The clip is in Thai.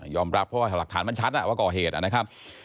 รับเพราะว่าหลักฐานมันชัดว่าก่อเหตุนะครับ